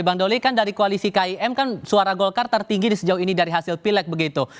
bang doli kan dari koalisi kim kan suara golkar tertinggi di sejauh ini dari hasil pilek begitu